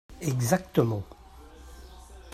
Exactement